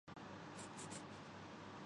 لیکن ان کوموت نہیں آئے گی